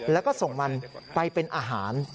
แล้วก็ส่งมันไปเป็นอาหาร